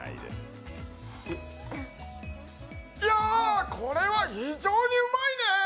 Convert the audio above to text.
いやー、これは非常にうまいね。